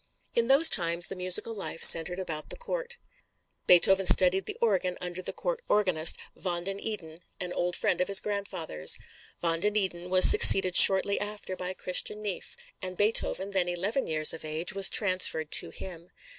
In those times the musical life centered about the Court. Beethoven studied the organ under the court organist, Van den Eeden, an old friend of his grandfather's. Van den Eeden was succeeded shortly after by Christian Neefe, and Beethoven, then eleven years of age, was transferred to him.